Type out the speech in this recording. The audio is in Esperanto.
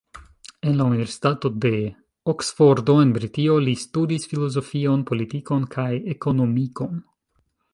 En la universitato de Oksfordo en Britio li studis filozofion, politikon kaj ekonomikon.